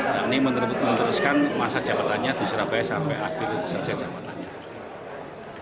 yakni meneruskan masa jabatannya di surabaya sampai akhir selesai jabatannya